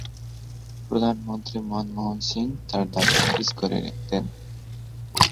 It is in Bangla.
প্রধানমন্ত্রী মনমোহন সিংহ তার দাবি খারিজ করে দেন।